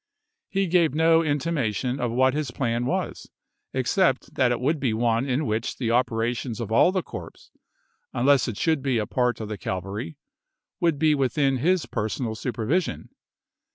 He gave no intimation of what his plan vol. xxv., was, except that it would be one in which the Part II. p. 438." operations of all the corps; unless it should be a part of the cavalry, would be within his personal supervision.